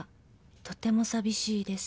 「とても寂しいです」